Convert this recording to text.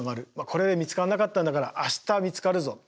これで見つからなかったんだから明日見つかるぞ。